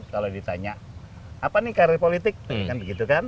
kalau ditanya apa nih karir politik kan begitu kan